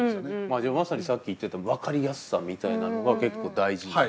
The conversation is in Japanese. じゃあまさにさっき言ってた分かりやすさみたいなのが結構大事にして。